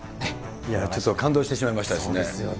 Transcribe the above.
いやぁ、ちょっと感動してしまいましたですね。